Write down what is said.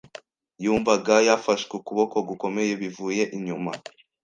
Yumvaga yafashwe ukuboko gukomeye bivuye inyuma.